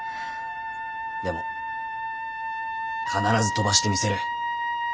でも必ず飛ばしてみせる。